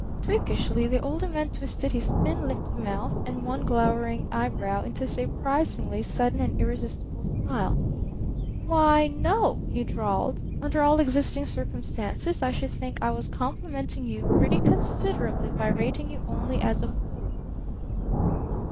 Freakishly the Older Man twisted his thin lipped mouth and one glowering eyebrow into a surprisingly sudden and irresistible smile. "Why no," he drawled. "Under all existing circumstances I should think I was complimenting you pretty considerably by rating you only as a fool."